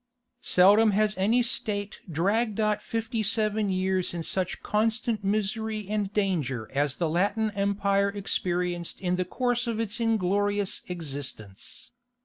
Seldom has any state dragged out fifty seven years in such constant misery and danger as the Latin Empire experienced in the course of its inglorious existence.